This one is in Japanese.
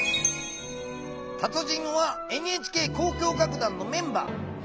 たつじんはＮＨＫ交響楽団のメンバー。